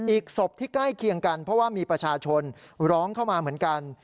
อีกศพที่ใกล้เคียงกันเพราะว่ามีประชาชนร้องเข้ามาเหมือนกัน